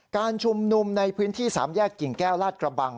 การชุมนุมในพื้นที่๓แยกกิ่งแก้วลาดกระบัง